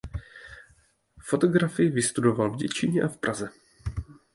Fotografii vystudoval v Děčíně a Praze.